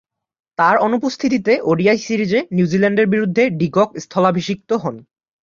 তার অনুপস্থিতিতে ওডিআই সিরিজে নিউজিল্যান্ডের বিরুদ্ধে ডি কক স্থলাভিষিক্ত হন।